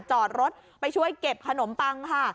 จอดรถไปช่วยเก็บขนมปังค่ะ